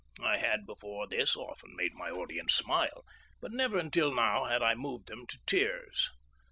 I had before this often made my audience smile, but never until now had I moved them to tears.